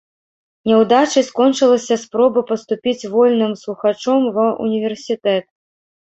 Няўдачай скончылася спроба паступіць вольным слухачом ва ўніверсітэт.